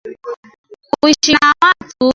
Kuishi na watu ni kitu ya maana kwa mutu